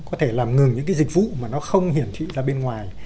có thể làm ngừng những cái dịch vụ mà nó không hiển thị ra bên ngoài